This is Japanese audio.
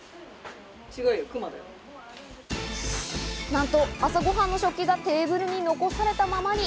なんと、朝ごはんの食器がテーブルに残されたままに。